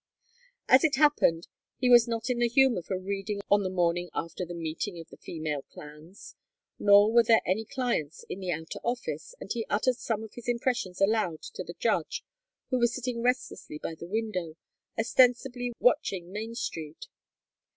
As it happened, he was not in the humor for reading on the morning after the meeting of the female clans, nor were there any clients in the outer office, and he uttered some of his impressions aloud to the judge who was sitting restlessly by the window, ostensibly watching Main Street.